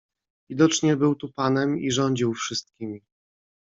"Widocznie był tu panem i rządził wszystkimi."